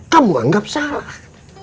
kamu anggap salah